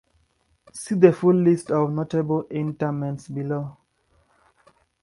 See the full list of notable interments below.